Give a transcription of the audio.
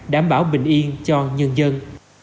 đảm bảo bình yên cho nhân dân